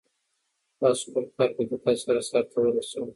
تاسو خپل کار په دقت سره سرته ورسوئ.